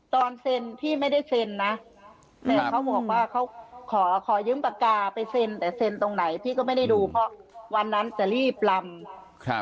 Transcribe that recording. ตอนเซ็นพี่ไม่ได้เซ็นนะแม่เขาบอกว่าเขาขอขอยืมปากกาไปเซ็นแต่เซ็นตรงไหนพี่ก็ไม่ได้ดูเพราะวันนั้นจะรีบลำครับ